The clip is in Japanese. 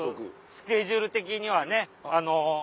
スケジュール的にはねあの。